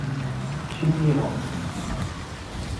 Chimney Rock